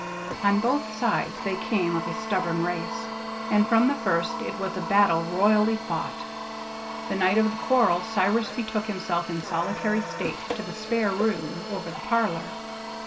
On both sides they came of a stubborn race, and from the first it was a battle royally fought. The night of the quarrel Cyrus betook himself in solitary state to the "spare room" over the parlor.